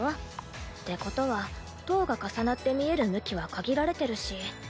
ことは塔が重なって見える向きは限られてるし。